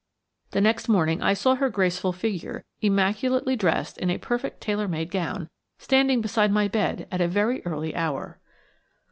The next morning I saw her graceful figure, immaculately dressed in a perfect tailor made gown, standing beside my bed at a very early hour.